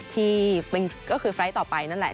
ที่ก็คือไฟล์ทต่อไปนั่นแหละ